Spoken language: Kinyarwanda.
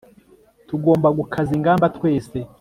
tugomba gukaza ingamba twese